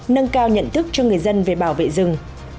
nâng cao nhận thức cho người dân về bảo vệ rừng